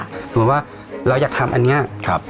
สมมุติว่าเราอยากทำอันเนี่ย